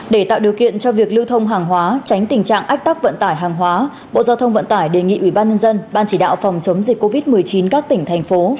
để tạo điều kiện cho việc lưu thông hàng hóa tránh tình trạng ách tắc vận tải hàng hóa bộ giao thông vận tải đề nghị ủy ban nhân dân ban chỉ đạo phòng chống dịch covid một mươi chín các tỉnh thành phố